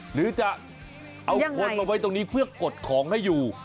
หรือจะเอาคนมาไว้ตรงนี้เพื่อกดของให้อยู่